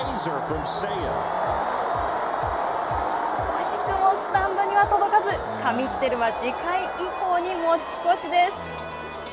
惜しくもスタンドには届かず神ってるは次回以降に持ち越しです。